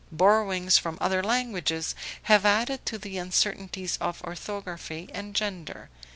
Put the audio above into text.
Borrowings from other languages have added to the uncertainties of orthography and gender.